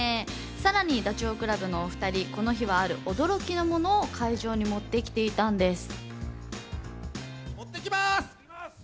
さらにダチョウ倶楽部のお２人、この日はある驚きのものを会場に持ってきていたんです。